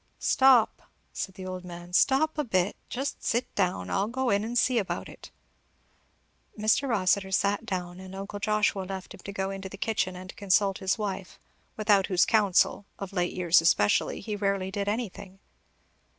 "Stop," said the old man, "stop a bit. Just sit down I'll go in and see about it." Mr. Rossitur sat down, and uncle Joshua left him to go into the kitchen and consult his wife, without whose counsel, of late years especially, he rarely did anything.